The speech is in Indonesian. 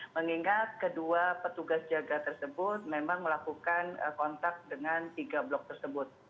mengingat kedua petugas jaga tersebut memang melakukan kontak dengan tiga blok tersebut